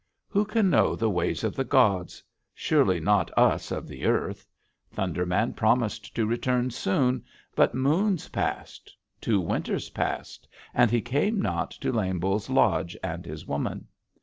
"Who can know the ways of the gods? Surely not us of the earth. Thunder Man promised to return soon, but moons passed, two winters passed, and he came not to Lame Bull's lodge and his woman.